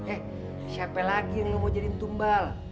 eh siapa lagi yang mau jadiin tumbal